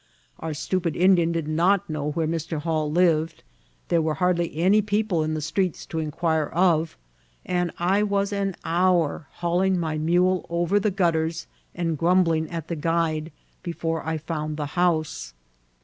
Our stupid Indian did not know where Mr. Hall lived ; there were hardly any people in the streets to inquira of, and I was an hour hauling my mule over the gutters and grumbling at the guide before I found the house.